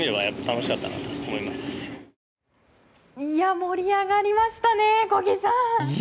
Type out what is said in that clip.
盛り上がりましたね小木さん。